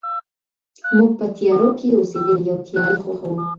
موږ په تيارو كي اوسېدلي يو تيارې خوښـوو